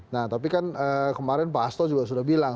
nah tapi kan kemarin pak asto juga sudah bilang